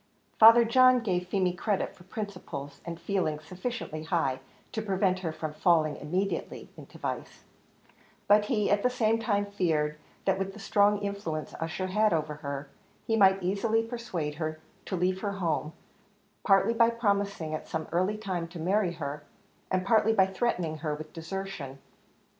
Father John gave Feemy credit for principles and feelings sufficiently high to prevent her from falling immediately into vice, but he at the same time feared, that with the strong influence Ussher had over her, he might easily persuade her to leave her home, partly by promising at some early time to marry her, and partly by threatening her with desertion.